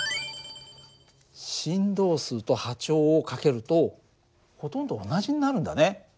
振動数と波長を掛けるとほとんど同じになるんだね。